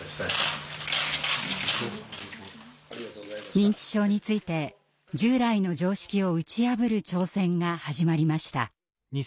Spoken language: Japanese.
認知症について従来の常識を打ち破る挑戦が始まりました。